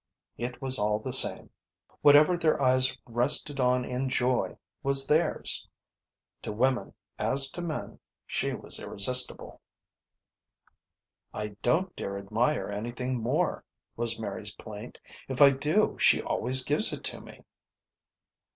It was all the same. Whatever their eyes rested on in joy was theirs. To women, as to men, she was irresistible. "I don't dare admire anything any more," was Mary's plaint. "If I do she always gives it to me."